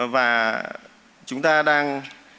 và chúng ta đang